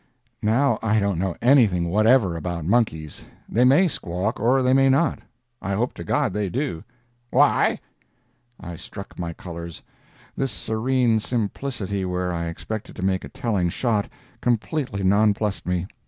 "Now, I don't know anything whatever about monkeys. They may squawk, or they may not—I hope to God they do!" "Why?" I struck my colors. This serene simplicity where I expected to make a telling shot, completely nonplussed me.